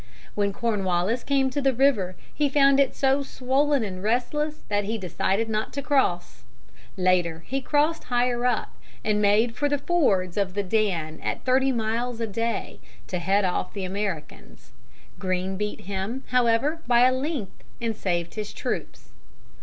When Cornwallis came to the river he found it so swollen and restless that he decided not to cross. Later he crossed higher up, and made for the fords of the Dan at thirty miles a day, to head off the Americans. Greene beat him, however, by a length, and saved his troops.